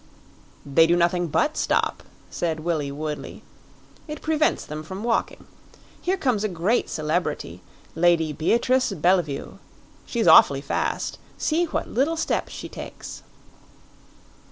"They do nothing but stop," said Willie Woodley. "It prevents them from walking. Here comes a great celebrity Lady Beatrice Bellevue. She's awfully fast; see what little steps she takes."